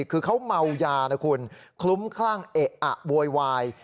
คือเขาเมายานะคุณคลุ้มคลั่งเอะอะโวยวาย